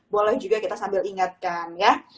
boleh juga kita sambil ingatkan ya